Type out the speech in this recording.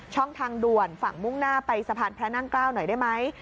ทางด่วนฝั่งมุ่งหน้าไปสะพานพระนั่งเกล้าหน่อยได้ไหม